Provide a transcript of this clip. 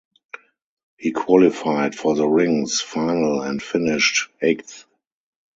He qualified for the rings final and finished eighth.